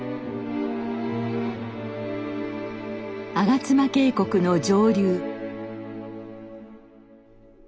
吾妻渓谷の上流。